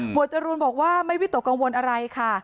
จรูนบอกว่าไม่วิตกกังวลอะไรค่ะ